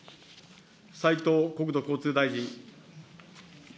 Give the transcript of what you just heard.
斉藤国土交通大臣。